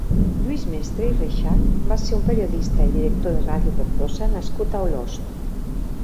Lluís Mestre i Rexach va ser un periodista i director de Radio Tortosa nascut a Olost.